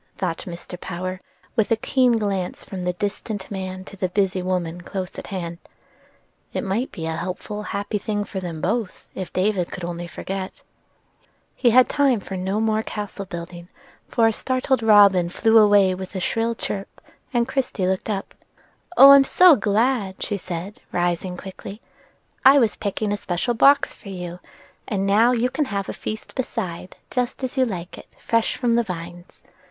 thought Mr. Power, with a keen glance from the distant man to the busy woman close at hand. "It might be a helpful, happy thing for both, if poor David only could forget." He had time for no more castle building, for a startled robin flew away with a shrill chirp, and Christie looked up. "Oh, I'm so glad!" she said, rising quickly. "I was picking a special box for you, and now you can have a feast beside, just as you like it, fresh from the vines.